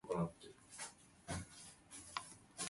They can sit at their ease and gape at the play.